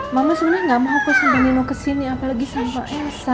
mama sebenernya gak mau hapus sampai nino kesini apalagi sama elsa